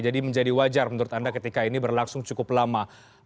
jadi menjadi wajar menurut anda ketika ini berlangsung cukup lama